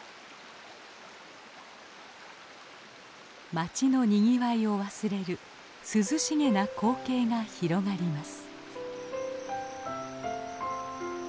街のにぎわいを忘れる涼しげな光景が広がります。